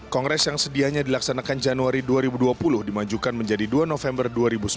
kongres yang sedianya dilaksanakan januari dua ribu dua puluh dimajukan menjadi dua november dua ribu sembilan belas